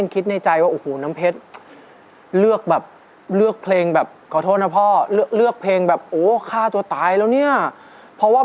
ขอบคุณค่า